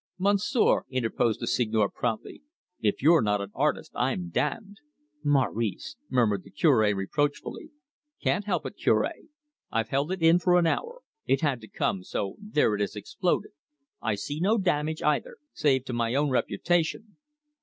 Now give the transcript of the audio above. "Monsieur," interposed the Seigneur promptly, "if you're not an artist, I'm damned!" "Maurice!" murmured the Cure reproachfully. "Can't help it, Cure. I've held it in for an hour. It had to come; so there it is exploded. I see no damage either, save to my own reputation.